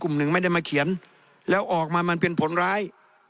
หนึ่งไม่ได้มาเขียนแล้วออกมามันเป็นผลร้าย